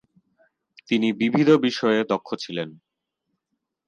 তিনি বিবিধ বিষয়ে দক্ষ ছিলেন।